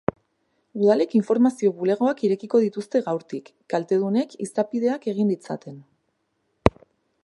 Udalek informazio bulegoak irekiko dituzte gaurtik, kaltedunek izapideak egin ditzaten.